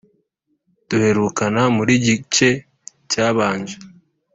duherukana muri gice cyabanje